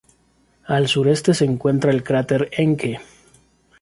Al sureste se encuentra el cráter Encke.